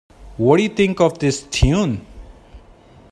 What do you think of this Tune?